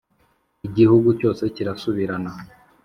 Igihugu cyose kirasubirana